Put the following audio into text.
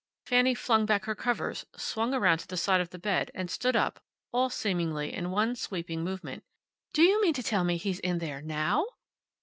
Fanny flung back her covers, swung around to the side of the bed, and stood up, all, seemingly, in one sweeping movement. "Do you mean to tell me he's in there, now?"